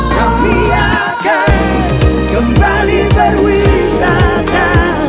kami akan kembali berwisata